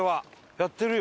やってるよ。